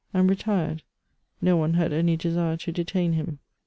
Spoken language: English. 225 and retired; do one had any desire to detain him.